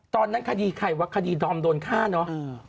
ตอนนั้นคดีใครวะคดีดอมโดนฆ่าเนอะ